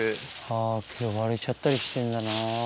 あ割れちゃったりしてんだな。